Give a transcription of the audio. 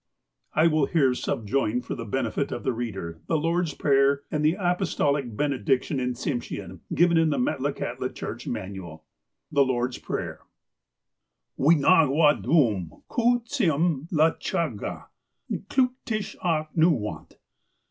I will here subjoin, for the benefit of the reader, the Lord's Prayer, and the Apostolic Benediction in Tsim shean, given in the Metlakahtla Church Manual : The Lord^s Prayer " Wee Nahgwah dum koo tsim lachahgah, IS'clootiksh ah N'oo wahut.